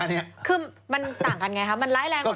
คือมันต่างกันไงคะมันร้ายแรงกว่า